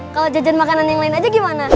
kalau jajan makanan yang lain aja gimana